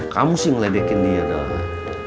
kamu sih ngeledekin dia dong